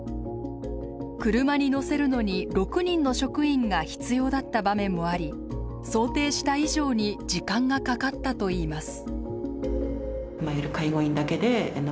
車に乗せるのに６人の職員が必要だった場面もあり想定した以上に時間がかかったといいます。